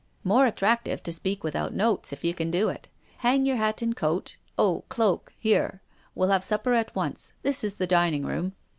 " More attractive to speak without notes, if you can do it. Hang your hat and coat — oh, cloak — here. We'll have supper at once. This is the dining room."